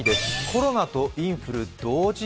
コロナとインフル同時